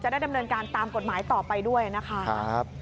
ได้ดำเนินการตามกฎหมายต่อไปด้วยนะคะ